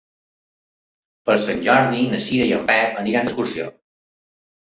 Per Sant Jordi na Cira i en Pep iran d'excursió.